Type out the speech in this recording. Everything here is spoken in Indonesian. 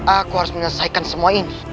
aku harus menyelesaikan semua ini